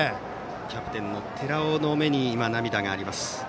キャプテンの寺尾の目に涙があります。